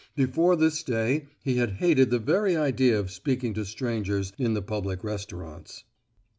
Before this day he had hated the very idea of speaking to strangers in the public restaurants.